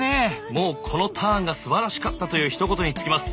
もうこのターンがすばらしかったというひと言に尽きます。